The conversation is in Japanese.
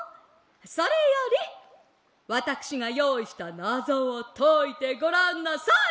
それよりわたくしがよういしたナゾをといてごらんなさいっ！